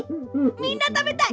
みんなたべたい？